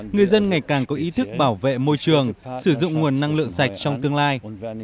người dân ngày càng có ý thức bảo vệ môi trường sử dụng nguồn năng lượng sạch trong tương lai